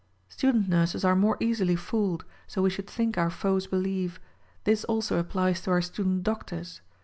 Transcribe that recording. Student nurses are more easily fooled — so we should think our foes believe. This also appHes to our student doctors.